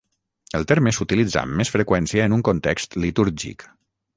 El terme s'utilitza amb més freqüència en un context litúrgic.